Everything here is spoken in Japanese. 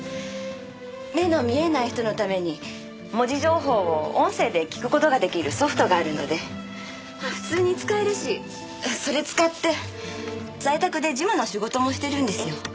目の見えない人のために文字情報を音声で聞く事が出来るソフトがあるので普通に使えるしそれ使って在宅で事務の仕事もしてるんですよ。